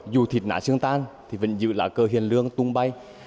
dù thịt nả xương tan thì vẫn giữ lá cờ hiền lương tung bay